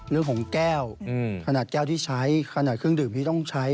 เรื่องของแก้วขนาดแก้วที่ใช้ขนาดเครื่องดื่มที่ต้องใช้